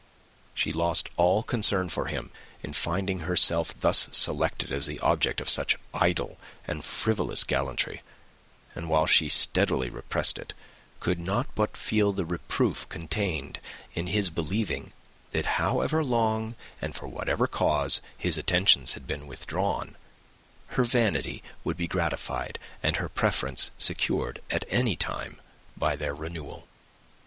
She lost all concern for him in finding herself thus selected as the object of such idle and frivolous gallantry; and while she steadily repressed it, could not but feel the reproof contained in his believing, that however long, and for whatever cause, his attentions had been withdrawn, her vanity would be gratified, and her preference secured, at any time, by their renewal.